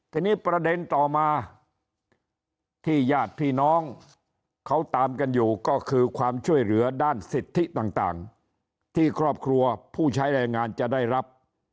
ทีนี้ประเด็นต่อมาที่ญาติพี่น้องเขาตามกันอยู่ก็คือความช่วยเหลือด้านสิทธิต่างที่ครอบครัวผู้ใช้แรงงานจะได้รับ